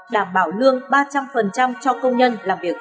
đảm bảo lương ba trăm linh cho công nhân làm việc